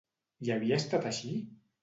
I havia estat així?